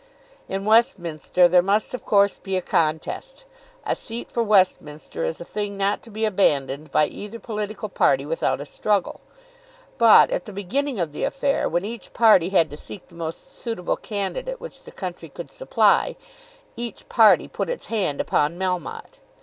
In Westminster there must of course be a contest. A seat for Westminster is a thing not to be abandoned by either political party without a struggle. But, at the beginning of the affair, when each party had to seek the most suitable candidate which the country could supply, each party put its hand upon Melmotte.